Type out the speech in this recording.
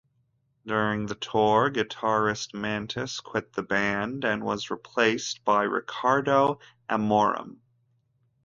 During the tour, guitarist Mantus quit the band and was replaced by Ricardo Amorim.